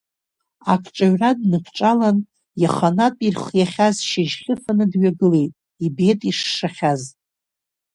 Акҿаҩра дныкҿалан, иаханатә ирхиахьаз шьыжьхьа ыфан дҩагылеит, ибеит ишшахьаз.